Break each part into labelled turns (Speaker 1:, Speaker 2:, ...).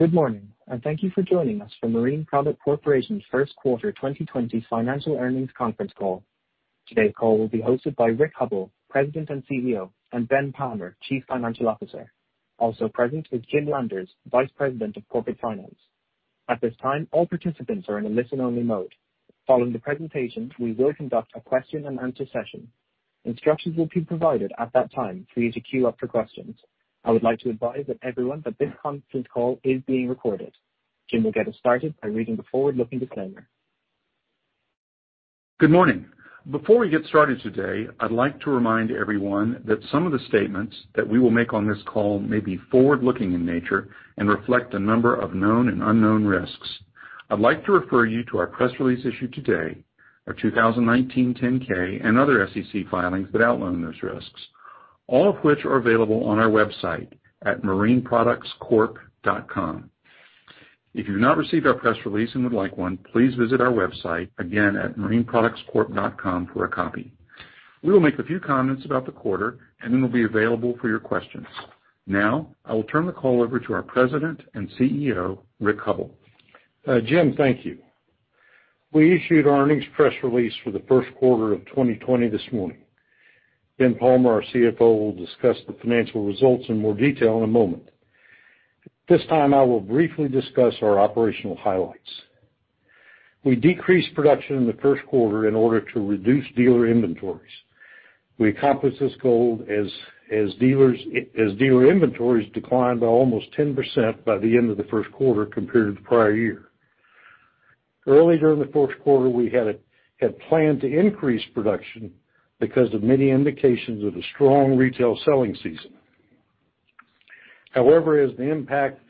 Speaker 1: Good morning, and thank you for joining us for Marine Products Corporation's First Quarter 2020 Financial Earnings Conference Call. Today's call will be hosted by Rick Hubbell, President and CEO, and Ben Palmer, Chief Financial Officer. Also present is Jim Landers, Vice President of Corporate Finance. At this time, all participants are in a listen-only mode. Following the presentation, we will conduct a question-and-answer session. Instructions will be provided at that time for you to queue up for questions. I would like to advise everyone that this conference call is being recorded. Jim will get us started by reading the forward-looking disclaimer.
Speaker 2: Good morning. Before we get started today, I'd like to remind everyone that some of the statements that we will make on this call may be forward-looking in nature and reflect a number of known and unknown risks. I'd like to refer you to our press release issued today, our 2019 10-K, and other SEC filings that outline those risks, all of which are available on our website at marineproductscorp.com. If you have not received our press release and would like one, please visit our website again at marineproductscorp.com for a copy. We will make a few comments about the quarter, and then we'll be available for your questions. Now, I will turn the call over to our President and CEO, Rick Hubbell.
Speaker 3: Jim, thank you. We issued our earnings press release for the first quarter of 2020 this morning. Ben Palmer, our CFO, will discuss the financial results in more detail in a moment. This time, I will briefly discuss our operational highlights. We decreased production in the first quarter in order to reduce dealer inventories. We accomplished this goal as dealer inventories declined by almost 10% by the end of the first quarter compared to the prior year. Early during the first quarter, we had planned to increase production because of many indications of a strong retail selling season. However, as the impact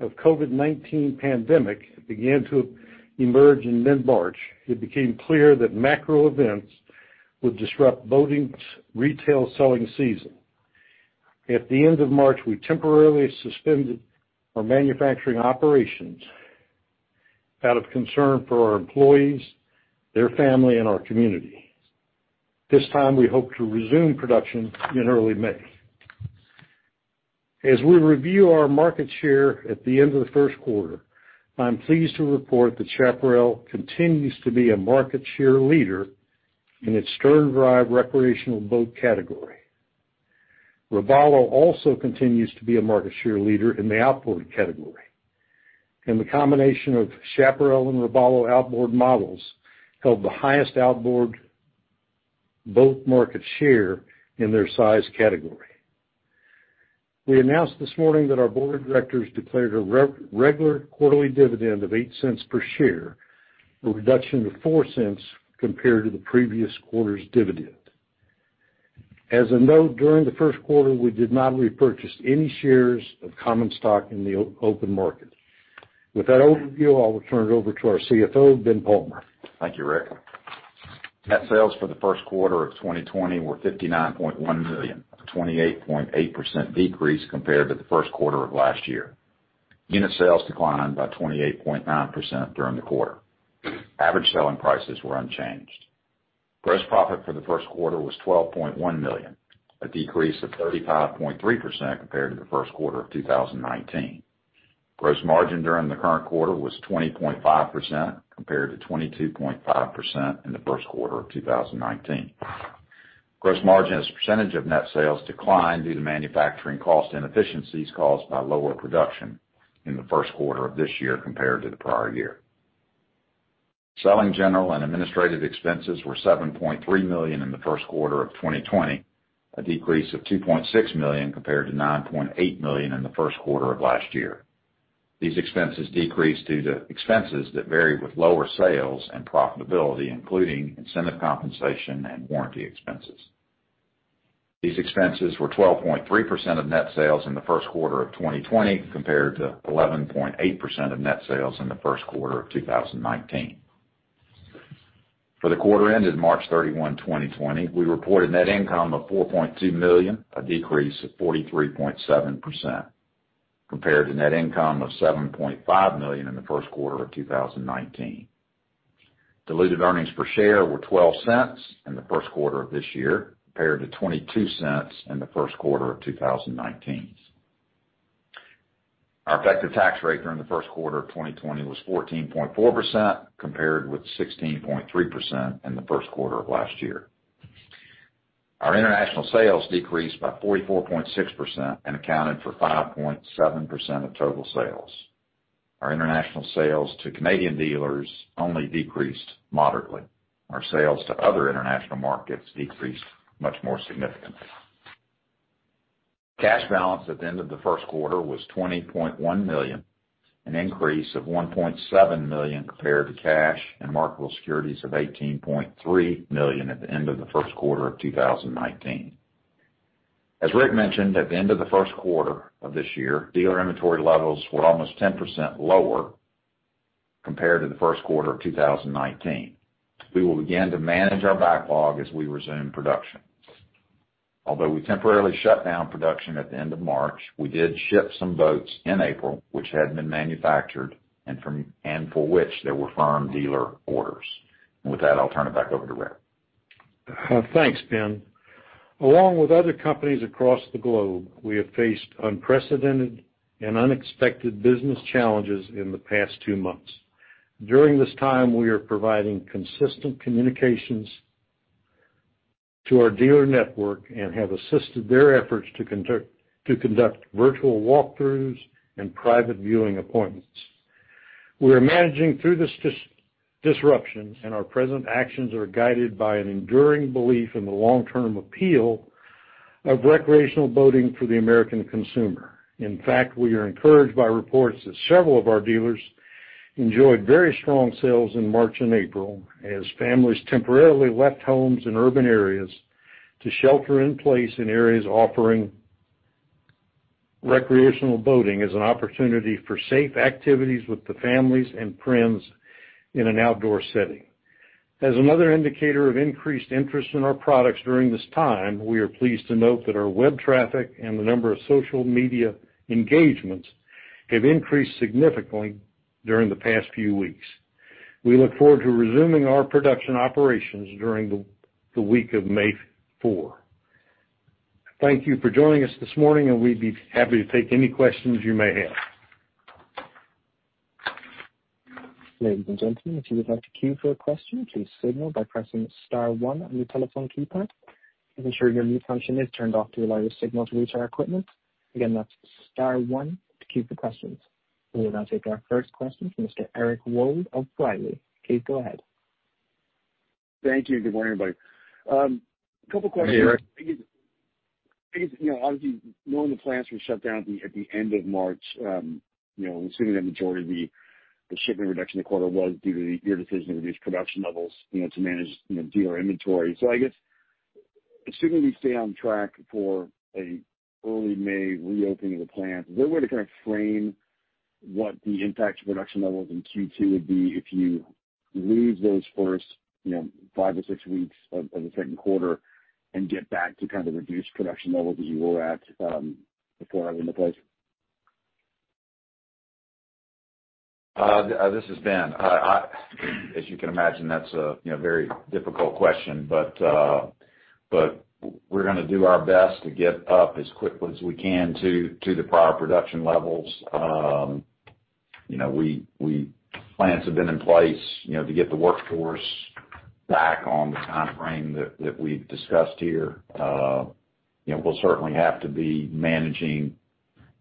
Speaker 3: of the COVID-19 pandemic began to emerge in mid-March, it became clear that macro events would disrupt Marine Products Corporation's retail selling season. At the end of March, we temporarily suspended our manufacturing operations out of concern for our employees, their family, and our community. This time, we hope to resume production in early May. As we review our market share at the end of the first quarter, I'm pleased to report that Chaparral continues to be a market share leader in its stern drive recreational boat category. Robalo also continues to be a market share leader in the outboard category. The combination of Chaparral and Robalo outboard models held the highest outboard boat market share in their size category. We announced this morning that our board of directors declared a regular quarterly dividend of $0.08 per share, a reduction of $0.04 compared to the previous quarter's dividend. As a note, during the first quarter, we did not repurchase any shares of common stock in the open market. With that overview, I will turn it over to our CFO, Ben Palmer.
Speaker 4: Thank you, Rick. Net sales for the first quarter of 2020 were $59.1 million, a 28.8% decrease compared to the first quarter of last year. Unit sales declined by 28.9% during the quarter. Average selling prices were unchanged. Gross profit for the first quarter was $12.1 million, a decrease of 35.3% compared to the first quarter of 2019. Gross margin during the current quarter was 20.5% compared to 22.5% in the first quarter of 2019. Gross margin as a percentage of net sales declined due to manufacturing cost inefficiencies caused by lower production in the first quarter of this year compared to the prior year. Selling, general, and administrative expenses were $7.3 million in the first quarter of 2020, a decrease of $2.6 million compared to $9.8 million in the first quarter of last year. These expenses decreased due to expenses that vary with lower sales and profitability, including incentive compensation and warranty expenses. These expenses were 12.3% of net sales in the first quarter of 2020 compared to 11.8% of net sales in the first quarter of 2019. For the quarter ended March 31, 2020, we reported net income of $4.2 million, a decrease of 43.7% compared to net income of $7.5 million in the first quarter of 2019. Diluted earnings per share were $0.12 in the first quarter of this year compared to $0.22 in the first quarter of 2019. Our effective tax rate during the first quarter of 2020 was 14.4% compared with 16.3% in the first quarter of last year. Our international sales decreased by 44.6% and accounted for 5.7% of total sales. Our international sales to Canadian dealers only decreased moderately. Our sales to other international markets decreased much more significantly. Cash balance at the end of the first quarter was $20.1 million, an increase of $1.7 million compared to cash and marketable securities of $18.3 million at the end of the first quarter of 2019. As Rick mentioned, at the end of the first quarter of this year, dealer inventory levels were almost 10% lower compared to the first quarter of 2019. We will begin to manage our backlog as we resume production. Although we temporarily shut down production at the end of March, we did ship some boats in April which had been manufactured and for which there were firm dealer orders. With that, I'll turn it back over to Rick.
Speaker 3: Thanks, Ben. Along with other companies across the globe, we have faced unprecedented and unexpected business challenges in the past two months. During this time, we are providing consistent communications to our dealer network and have assisted their efforts to conduct virtual walkthroughs and private viewing appointments. We are managing through this disruption, and our present actions are guided by an enduring belief in the long-term appeal of recreational boating for the American consumer. In fact, we are encouraged by reports that several of our dealers enjoyed very strong sales in March and April as families temporarily left homes in urban areas to shelter in place in areas offering recreational boating as an opportunity for safe activities with the families and friends in an outdoor setting. As another indicator of increased interest in our products during this time, we are pleased to note that our web traffic and the number of social media engagements have increased significantly during the past few weeks. We look forward to resuming our production operations during the week of May 4. Thank you for joining us this morning, and we'd be happy to take any questions you may have.
Speaker 1: Ladies and gentlemen, if you would like to queue for a question, please signal by pressing star one on your telephone keypad. Ensure your mute function is turned off to allow your signal to reach our equipment. Again, that's star one to queue for questions. We will now take our first question from Mr. Eric Wold of B. Riley Financial. Please go ahead.
Speaker 5: Thank you. Good morning, everybody. A couple of questions. Obviously, knowing the plants were shut down at the end of March, assuming that majority of the shipment reduction the quarter was due to your decision to reduce production levels to manage dealer inventory. I guess, assuming we stay on track for an early May reopening of the plant, is there a way to kind of frame what the impact to production levels in Q2 would be if you lose those first five or six weeks of the second quarter and get back to kind of reduced production levels as you were at before it went into place?
Speaker 4: This is Ben. As you can imagine, that's a very difficult question, but we're going to do our best to get up as quickly as we can to the prior production levels. Plans have been in place to get the workforce back on the timeframe that we've discussed here. We'll certainly have to be managing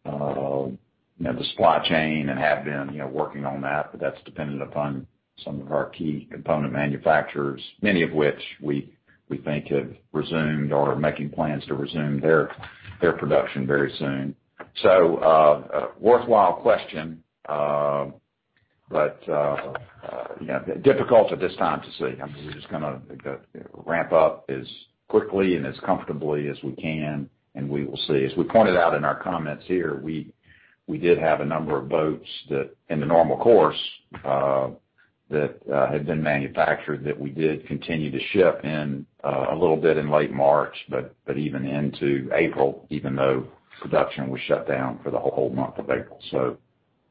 Speaker 4: the supply chain and have been working on that, but that's dependent upon some of our key component manufacturers, many of which we think have resumed or are making plans to resume their production very soon. Worthwhile question, but difficult at this time to see. I mean, we're just going to ramp up as quickly and as comfortably as we can, and we will see. As we pointed out in our comments here, we did have a number of boats that, in the normal course, that had been manufactured that we did continue to ship in a little bit in late March, but even into April, even though production was shut down for the whole month of April.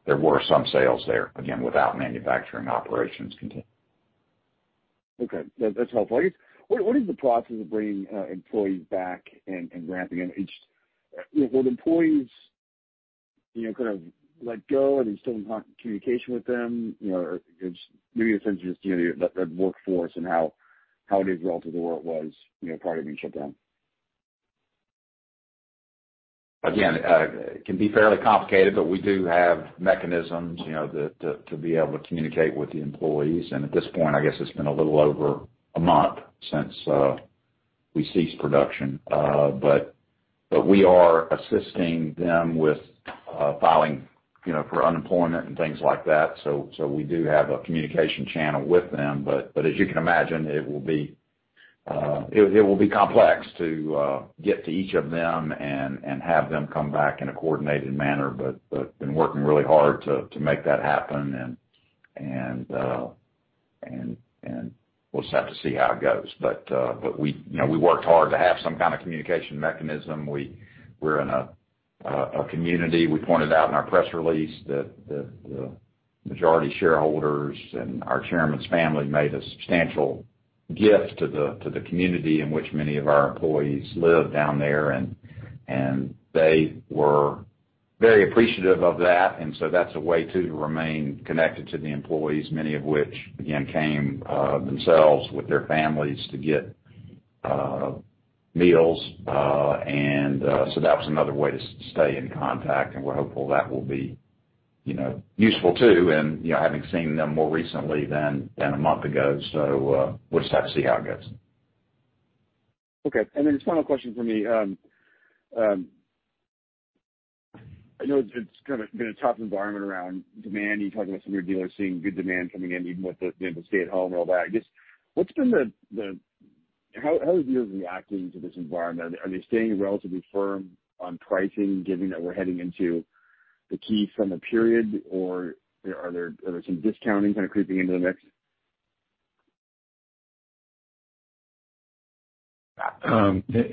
Speaker 4: There were some sales there, again, without manufacturing operations continuing.
Speaker 5: Okay. That's helpful. I guess, what is the process of bringing employees back and ramping up? Would employees kind of let go, and are you still in communication with them? Maybe a sense of just that workforce and how it is relative to where it was prior to being shut down.
Speaker 4: Again, it can be fairly complicated, but we do have mechanisms to be able to communicate with the employees. At this point, I guess it's been a little over a month since we ceased production, but we are assisting them with filing for unemployment and things like that. We do have a communication channel with them, as you can imagine, it will be complex to get to each of them and have them come back in a coordinated manner. We have been working really hard to make that happen, and we'll just have to see how it goes. We worked hard to have some kind of communication mechanism. We're in a community. We pointed out in our press release that the majority shareholders and our Chairman's family made a substantial gift to the community in which many of our employees live down there, and they were very appreciative of that. That is a way too to remain connected to the employees, many of which, again, came themselves with their families to get meals. That was another way to stay in contact, and we're hopeful that will be useful too, having seen them more recently than a month ago. We will just have to see how it goes.
Speaker 5: Okay. And then just final question for me. I know it's kind of been a tough environment around demand. You talked about some of your dealers seeing good demand coming in, even with the stay-at-home and all that. I guess, what's been the—how are dealers reacting to this environment? Are they staying relatively firm on pricing, given that we're heading into the key summer period, or are there some discounting kind of creeping into the mix?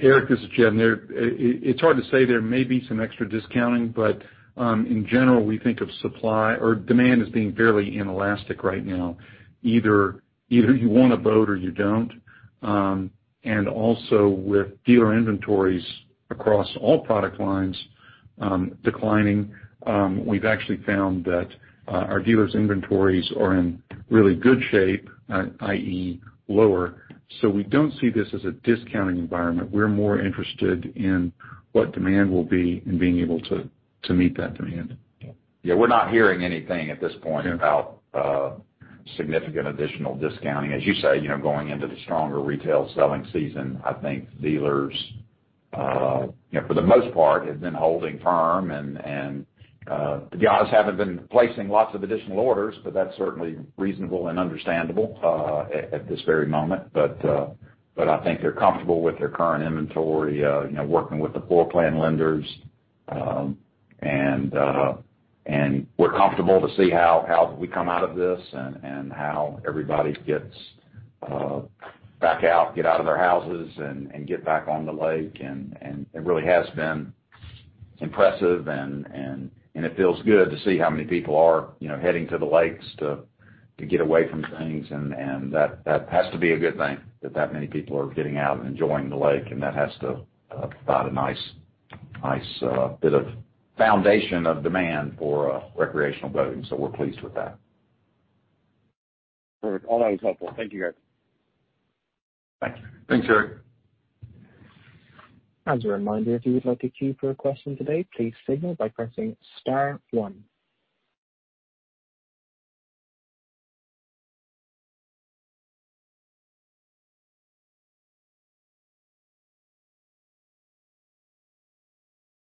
Speaker 2: Eric, this is Jim. It's hard to say. There may be some extra discounting, but in general, we think of supply or demand as being fairly inelastic right now. Either you want a boat or you don't. Also, with dealer inventories across all product lines declining, we've actually found that our dealers' inventories are in really good shape, i.e., lower. We don't see this as a discounting environment. We're more interested in what demand will be and being able to meet that demand.
Speaker 4: Yeah. We're not hearing anything at this point about significant additional discounting. As you say, going into the stronger retail selling season, I think dealers, for the most part, have been holding firm, and the guys haven't been placing lots of additional orders. That's certainly reasonable and understandable at this very moment. I think they're comfortable with their current inventory, working with the floor plan lenders, and we're comfortable to see how we come out of this and how everybody gets back out, get out of their houses, and get back on the lake. It really has been impressive, and it feels good to see how many people are heading to the lakes to get away from things. That has to be a good thing that that many people are getting out and enjoying the lake, and that has to provide a nice bit of foundation of demand for recreational boating. We are pleased with that.
Speaker 5: Perfect. All that was helpful. Thank you, guys.
Speaker 4: Thank you.
Speaker 2: Thanks, Eric.
Speaker 1: As a reminder, if you would like to queue for a question today, please signal by pressing star one.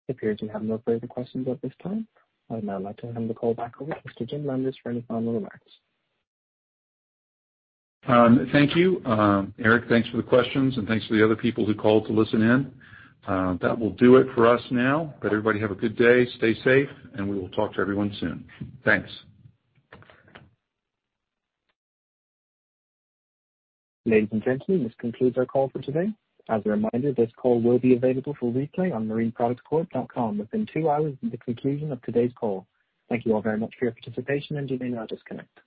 Speaker 1: It appears we have no further questions at this time. I'd now like to hand the call back over to Mr. Jim Landers for any final remarks.
Speaker 2: Thank you. Eric, thanks for the questions, and thanks for the other people who called to listen in. That will do it for us now. Everybody have a good day, stay safe, and we will talk to everyone soon. Thanks.
Speaker 1: Ladies and gentlemen, this concludes our call for today. As a reminder, this call will be available for replay on marineproductscorp.com within two hours of the conclusion of today's call. Thank you all very much for your participation and you may now disconnect.